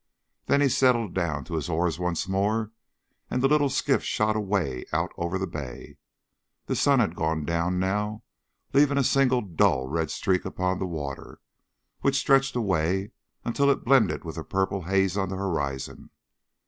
Then he settled down to his oars once more, and the little skiff shot away out over the bay. The sun had gone down now, leaving a single dull, red streak upon the water, which stretched away until it blended with the purple haze on the horizon.